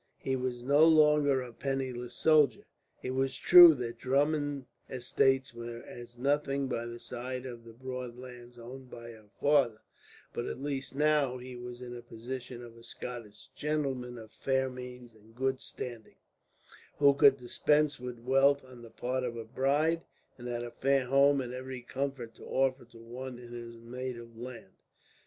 He was no longer a penniless soldier. It was true that the Drummond estates were as nothing by the side of the broad lands owned by her father; but at least, now, he was in the position of a Scottish gentleman of fair means and good standing, who could dispense with wealth on the part of a bride, and had a fair home and every comfort to offer to one in his native land.